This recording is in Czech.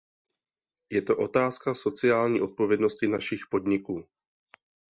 Je to otázka sociální odpovědnosti našich podniků.